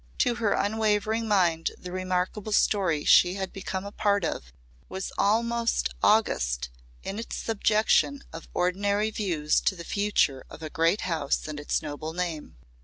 To her unwavering mind the remarkable story she had become a part of was almost august in its subjection of ordinary views to the future of a great house and its noble name.